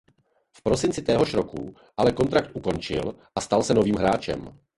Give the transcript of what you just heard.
V prosinci téhož roku ale kontrakt ukončil a stal se volným hráčem.